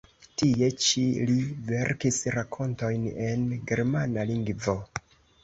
Tie ĉi li verkis rakontojn en germana lingvo.